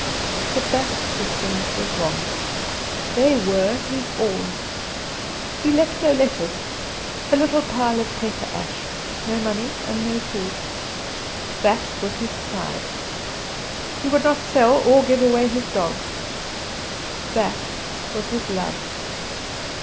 But that, it seems, was wrong. They were his all. He left no letters a little pile of paper ash; no money and no food! That was his pride. He would not sell or give away his dogs! That was his love.